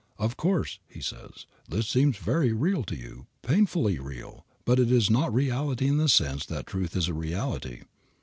"Of course," he says, "this seems very real to you, painfully real, but it is not reality in the sense that truth is a reality."